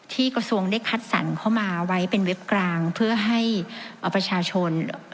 กระทรวงได้คัดสรรเข้ามาไว้เป็นเว็บกลางเพื่อให้เอาประชาชน